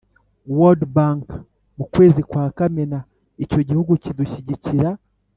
World Bank Mu Kwezi Kwa Kamena Icyo Gihugu Cyidushyigikira